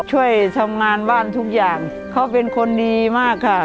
ช่วยทำงานบ้านทุกอย่างเขาเป็นคนดีมากค่ะ